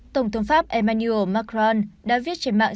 tổng thống pháp emmanuel macron đã viết trên mạng